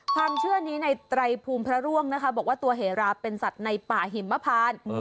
ความเชื่อนี้ในไตรภูมิพระร่วงนะคะบอกว่าตัวเหราเป็นสัตว์ในป่าหิมพาน